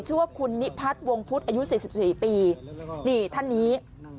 เชื่อว่าคุณนิพัทรวงพุธอายุสี่สิบสี่ปีนี่ท่านนี้